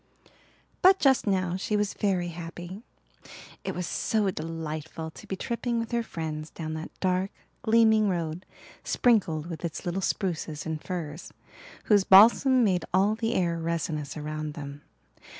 But just now she was very happy. It was so delightful to be tripping with her friends down that dark, gleaming road sprinkled with its little spruces and firs, whose balsam made all the air resinous around them.